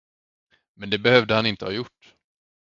Men det behövde han inte ha gjort.